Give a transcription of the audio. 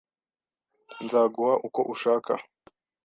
Nzaguha uko ushaka.